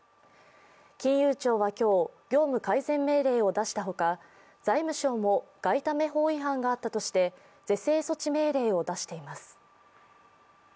金融庁は今日、業務改善命令を出した他財務省も外為法違反があったとして是正措置命令を出しています。